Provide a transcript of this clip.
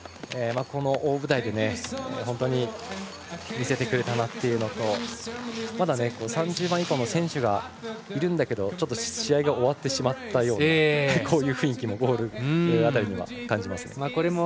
この大舞台で、本当に見せてくれたなというのとまだ、３０番以降の選手がいるんだけどちょっと試合が終わってしまったようなこういう雰囲気も感じます。